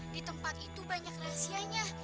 di tempat itu banyak rahasianya